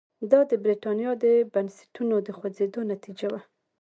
دا د برېټانیا د بنسټونو د خوځېدو نتیجه وه.